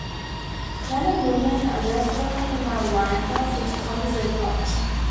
Men and women are dressed only in a loincloth which covers their crotch.